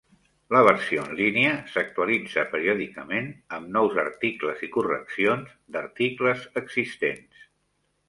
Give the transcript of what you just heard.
La versió en línia s'actualitza periòdicament amb nous articles i correccions d'articles existents.